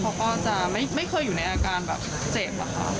เขาก็จะไม่เคยอยู่ในอาการแบบเจ็บอะค่ะ